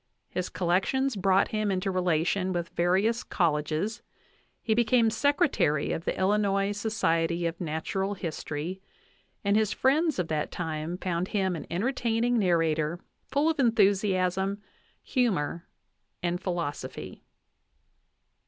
His collections brought him into relation with various colleges ; he became secretary of the Illinois Society of Natural History, and his friends of that time found him an entertaining nar rator, full of enthusiasm, humor, and philosophy.